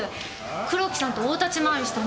黒木さんと大立ち回りしたニコラスの。